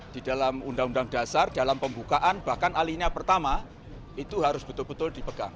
di dalam undang undang dasar dalam pembukaan bahkan alinia pertama itu harus betul betul dipegang